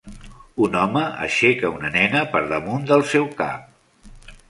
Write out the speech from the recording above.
Un home aixeca una nena per damunt del seu cap.